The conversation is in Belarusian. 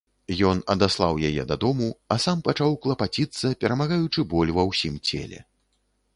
Ён адаслаў яе дадому, а сам пачаў клапаціцца, перамагаючы боль ва ўсім целе.